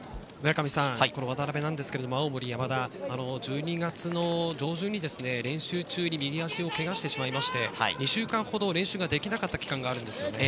渡邊ですけれど青森山田、１２月の上旬に練習中に右足をけがしてしまいまして、２週間ほど練習ができなかった期間があります。